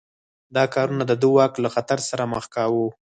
دا کارونه د ده واک له خطر سره مخ کاوه.